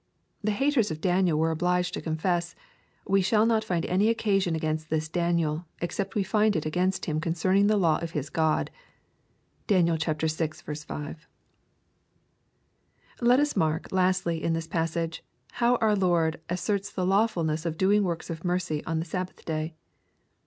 The haters of Daniel were obliged to confess, " we shall not find any occasion against this Daniel, except we find it against him concerning the law of his God." (Dan. vi. 5.) Let us mark, lastly, in this passage, how our Lord asserts the lawfulness of doing works of mercy on the Sabbath day.